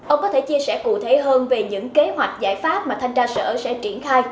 ông có thể chia sẻ cụ thể hơn về những kế hoạch giải pháp mà thanh tra sở sẽ triển khai